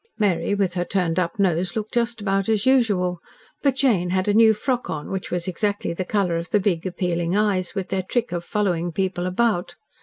Mary, with her turned up nose, looked just about as usual, but Jane had a new frock on which was exactly the colour of the big, appealing eyes, with their trick of following people about.